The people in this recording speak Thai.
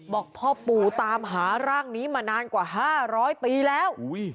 บอกพ่อปู่ตามหาร่างนี้มานานกว่า๕๐๐ปีแล้ว